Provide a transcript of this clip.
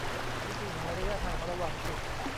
วิธีหาระยะห่างระหว่างจุด